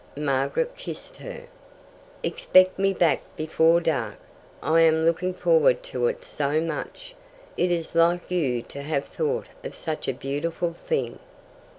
Margaret kissed her. "Expect me back before dark. I am looking forward to it so much. It is like you to have thought of such a beautiful thing."